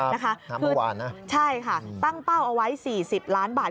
เมื่อวานนะใช่ค่ะตั้งเป้าเอาไว้๔๐ล้านบาท